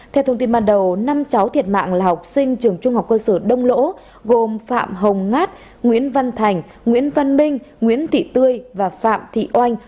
theo thông tin ban đầu năm cháu thiệt mạng là học sinh trường trung học cơ sở đông lỗ gồm phạm hồng ngát nguyễn văn thành nguyễn văn minh nguyễn thị tươi và phạm thị oanh